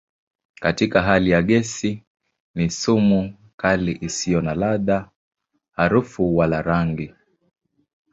Katika hali ya gesi ni sumu kali isiyo na ladha, harufu wala rangi.